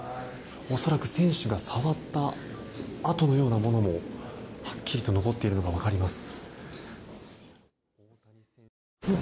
恐らく選手が触った跡のようなものもはっきりと残っているのが分かります。